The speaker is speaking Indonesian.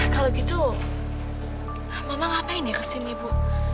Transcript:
kalau gitu mama ngapain ya kesini bu